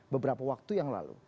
beberapa waktu yang lalu